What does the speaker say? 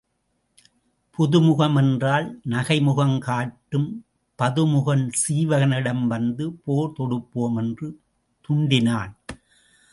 புதுமுகம் என்றால் நகைமுகம் காட்டும் பதுமுகன் சீவகனிடம் வந்து போர் தொடுப்போம் என்று துண்டினான்.